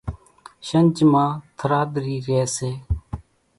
شنجھ مان ٿراۮران ريئيَ سي۔